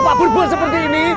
bapak berbuat seperti ini